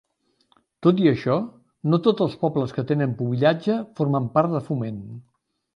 Tot i això, no tots els pobles que tenen pubillatge formen part de Foment.